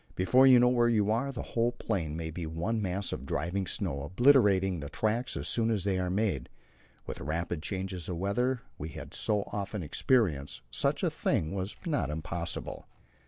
Before you know where you are the whole plain may be one mass of driving snow, obliterating all tracks as soon as they are made. With the rapid changes of weather we had so often experienced, such a thing was not impossible.